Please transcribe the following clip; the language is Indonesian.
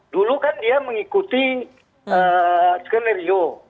dulu kan dia mengikuti skenario